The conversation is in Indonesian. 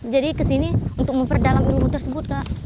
jadi kesini untuk memperdalam ilmu tersebut kak